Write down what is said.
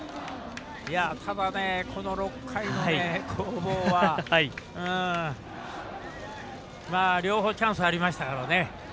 ただ、この６回の攻防は両方チャンスがありましたからね。